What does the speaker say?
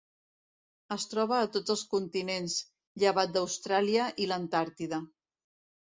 Es troba a tots els continents, llevat d'Austràlia i l'Antàrtida.